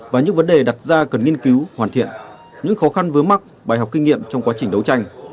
và những vấn đề đặt ra cần nghiên cứu hoàn thiện những khó khăn vướng mắt bài học kinh nghiệm trong quá trình đấu tranh